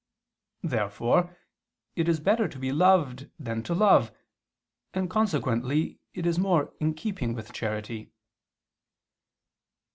Therefore it is better to be loved than to love, and consequently it is more in keeping with charity.